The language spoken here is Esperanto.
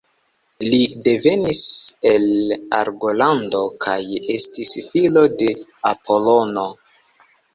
Li devenis el Argolando kaj estis filo de Apolono.